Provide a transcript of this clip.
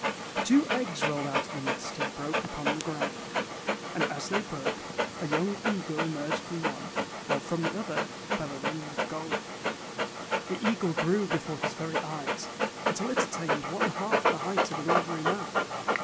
Two eggs rolled out of the nest and broke upon the ground; and as they broke, a young eagle emerged from one, while from the other fell a ring of gold. The eagle grew before his very eyes, until it attained one half the height of an ordinary man.